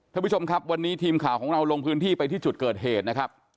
ท่านผู้ชมครับวันนี้ทีมข่าวของเราลงพื้นที่ไปที่จุดเกิดเหตุนะครับ